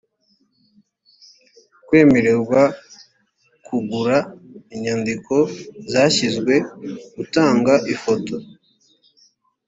kwemererwa kugura inyandiko zashyizwe utanga ifoto.